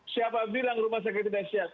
siapa bilang rumah sakit sudah siap